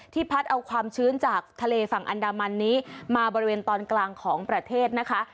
พัดเอาความชื้นจากทะเลฝั่งอันดามันนี้มาบริเวณตอนกลางของประเทศนะคะ